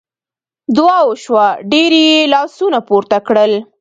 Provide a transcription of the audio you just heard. دعا وشوه ډېر یې لاسونه پورته کړل.